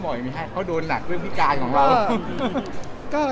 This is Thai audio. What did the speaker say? หรือบนนักด้วยพี่กายของเรา